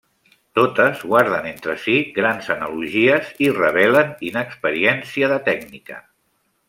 Totes guarden entre si grans analogies i revelen inexperiència de tècnica.